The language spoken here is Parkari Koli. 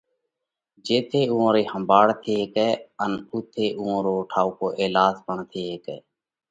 جيٿئہ اُوئون رئِي ۿمڀاۯ ٿي هيڪئہ ان اُوٿئہ اُوئون رو ٺائُوڪو ايلاز پڻ ٿي هيڪئہ۔